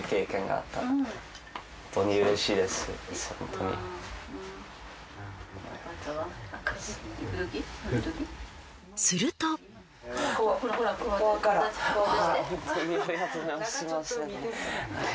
ありがとうございます。